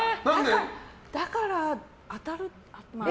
だから、当たる。